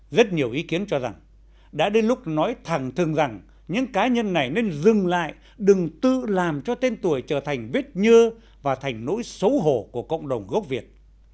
rất nhiều ý kiến cho rằng đã đến lúc nói thẳng thường rằng những cá nhân này nên dừng lại đừng tự làm cho tên tuổi trở thành vết nhơ và thành nỗi xấu hổ của cộng đồng gốc việt